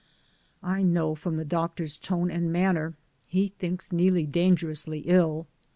I know from the doctor's tone and man ner he thinks Neelie dangerously ill.